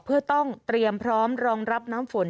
เพื่อต้องเตรียมพร้อมรองรับน้ำฝน